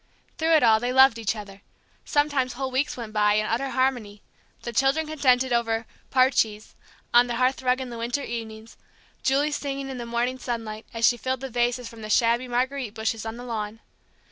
Through it all they loved each other; sometimes whole weeks went by in utter harmony; the children contented over "Parches" on the hearthrug in the winter evenings, Julie singing in the morning sunlight, as she filled the vases from the shabby marguerite bushes on the lawn.